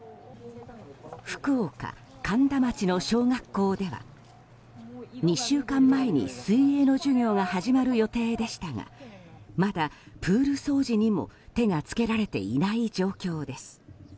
福岡・苅田町の小学校では２週間前に水泳の授業が始まる予定でしたがまだプール掃除にも手が付けられていない状況です。